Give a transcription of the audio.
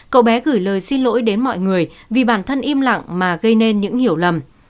cậu bé gửi lời xin lỗi đến mọi người vì bản thân im lặng mà gây nên những hiểu lầm